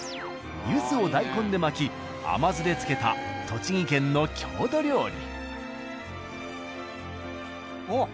ゆずを大根で巻き甘酢で漬けた栃木県の郷土料理。